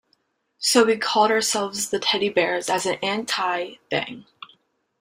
So we called ourselves the Teddybears as an 'anti' thing.